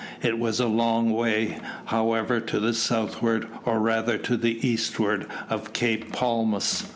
It was a long way, however, to the southward, or rather to the eastward of Cape Palmas.